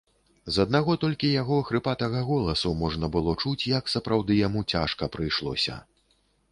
З аднаго толькі яго хрыпатага голасу можна было чуць, як сапраўды яму цяжка прыйшлося.